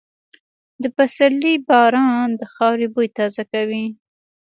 د پسرلي باران د خاورې بوی تازه کوي.